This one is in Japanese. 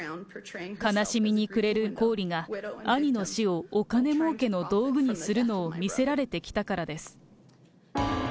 悲しみに暮れるコーリが、兄の死をお金もうけの道具にするのを見せられてきたからです。